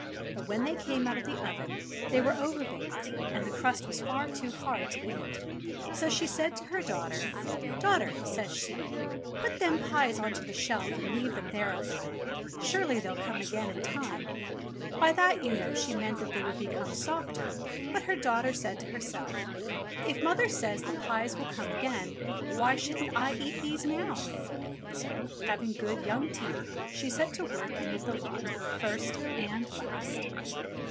But when they came out of the oven they were over baked, and the crust was far too hard to eat. So she said to her daughter :Daughter," says she, "put them pies on to the shelf and leave 'em there awhile. Surely they'll come again in time." By that, you know, she meant that they would become softer; but her daughter said to herself, "If Mother says the pies will come again, why shouldn't I eat these now.?" So, having good, young teeth, she set to work and ate the lot, first and last.